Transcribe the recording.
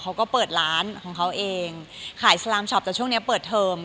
เขาก็เปิดร้านของเขาเองขายสลามช็อปแต่ช่วงนี้เปิดเทอม